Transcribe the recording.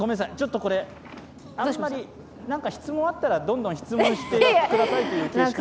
なんか質問あったらどんどん質問してくださいという形式に。